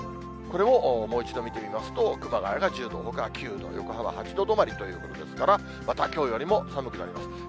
これももう一度見てみますと、熊谷が１０度、ほかは９度、横浜８度止まりということですから、またきょうよりも寒くなります。